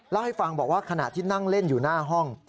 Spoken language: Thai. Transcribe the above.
เล่าให้ฟังบอกว่าขณะที่นั่งเล่นอยู่หน้าห้อง